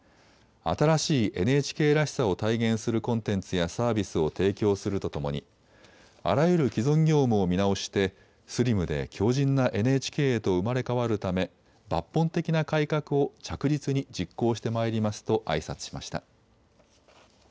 新しいＮＨＫらしさを体現するコンテンツやサービスを提供するとともにあらゆる既存業務を見直してスリムで強じんなＮＨＫへと生まれ変わるため抜本的な改革を着実に実行してまいりますとあいさつしました。